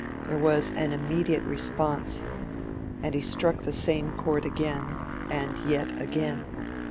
There was an immediate response, and he struck the same chord again, and yet again.